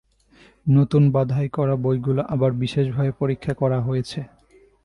নতুন বাঁধাই করা বইগুলো আবার বিশেষ ভাবে পরীক্ষা করা হয়েছে।